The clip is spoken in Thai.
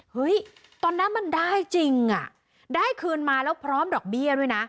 ตอนนั้นมันได้จริงอ่ะได้คืนมาแล้วพร้อมดอกเบี้ยด้วยนะ